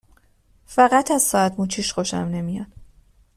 فقط از ساعت مچیش خوشم نمیاد